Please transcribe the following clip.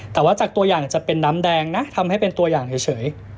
แต่ว่าจากตัวอย่างจะเป็นน้ำแดงนะทำให้เป็นตัวอย่างเฉย